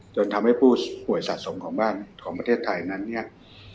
จนทำให้ผู้ป่วยสะสมของบ้านของผลิพรุ่งที่สนามวยครับ